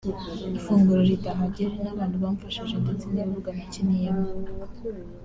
ifunguro ridahagije n’abantu bamfashije ndetse n’ibibuga nakiniyeho